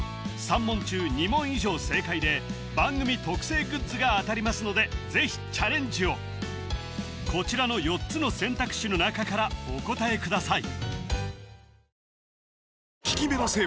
３問中２問以上正解で番組特製グッズが当たりますのでぜひチャレンジをこちらの４つの選択肢の中からお答えください